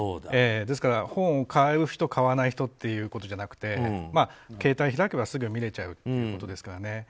ですから、本を買う人買わない人ということじゃなくて携帯を開けばすぐ見れちゃうということですからね。